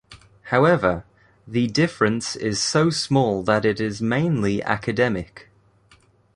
However, the difference is so small that it is mainly academic.